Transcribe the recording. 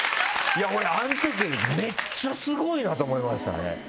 俺あのときめっちゃスゴいなと思いましたね。